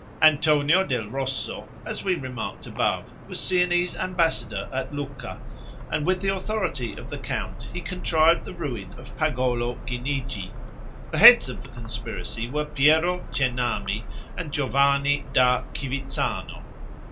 Antonio del Rosso, as we remarked above, was Siennese ambassador at Lucca, and with the authority of the count he contrived the ruin of Pagolo Guinigi. The heads of the conspiracy were Pierro Cennami and Giovanni da Chivizzano.